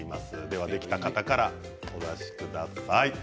ではできた方からお出しください。